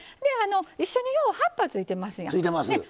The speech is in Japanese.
一緒によう葉っぱついてますよね。